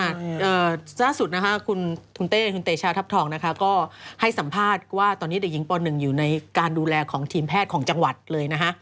อันนี้ซ่าสุดคุณเต้ชาวทัพทองก็ให้สัมภาษณ์ว่าตอนนี้เด็กหญิงป๑อยู่ในการดูแลของทีมแพทย์ของจังหวัดเลย